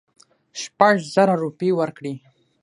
شپږزره روپۍ ورکړې.